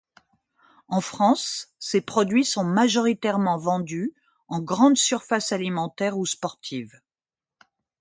En France, ses produits sont majoritairement vendus en grandes surfaces alimentaires ou sportives.